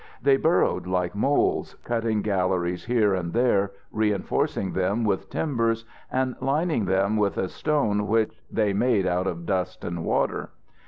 They burrowed like moles, cutting galleries here and there, reinforcing them with timbers, and lining them with a stone which they made out of dust and water.